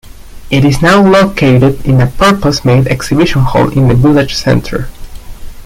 It is now located in a purpose made exhibition hall in the village centre.